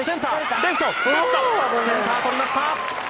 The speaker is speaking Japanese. センター、とりました。